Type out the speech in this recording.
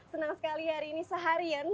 senang sekali hari ini seharian